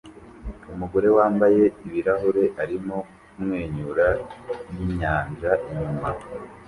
Umugore wambaye ibirahure arimo kumwenyura ninyanja inyuma